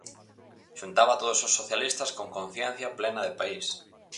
Xuntaba todos os socialistas "con conciencia plena de país".